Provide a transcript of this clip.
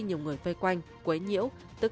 nhiều người vây quanh quấy nhiễu tức